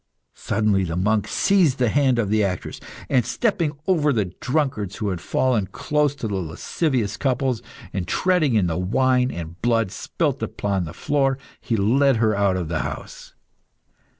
Suddenly the monk seized the hand of the actress, and stepping over the drunkards, who had fallen close to the lascivious couples, and treading in the wine and blood spilt upon the floor, he led her out of the house.